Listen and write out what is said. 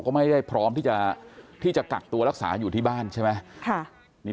ก็ไม่ได้พร้อมที่จะกักตัวรักษาอยู่ที่บ้านใช่ไหม